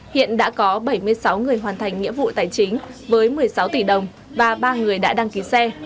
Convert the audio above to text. hiện đã có bảy mươi sáu người hoàn thành nhiệm vụ tài chính với một mươi sáu tỷ đồng và ba người đã đăng ký xe